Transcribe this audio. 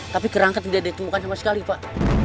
tapi kerangka tidak ditemukan sama sekali pak